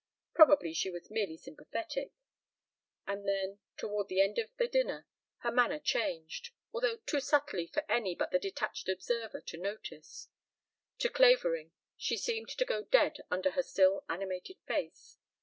Probably she was merely sympathetic. ... And then, toward the end of the dinner, her manner changed, although too subtly for any but the detached observer to notice it. To Clavering she seemed to go dead under her still animated face.